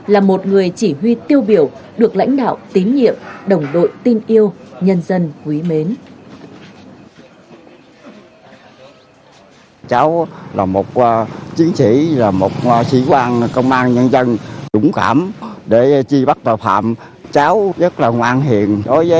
là một người chỉ huy tiêu biểu được lãnh đạo tín nhiệm đồng đội tin yêu nhân dân quý mến